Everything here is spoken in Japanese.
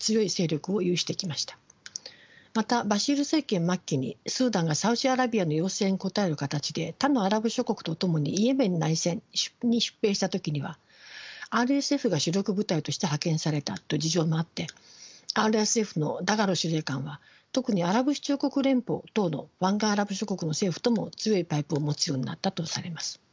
またバシール政権末期にスーダンがサウジアラビアの要請に応える形で他のアラブ諸国と共にイエメンの内戦に出兵した時にはＲＳＦが主力部隊として派遣されたという事情もあってＲＳＦのダガロ司令官は特にアラブ首長国連邦等の湾岸アラブ諸国の政府とも強いパイプを持つようになったとされます。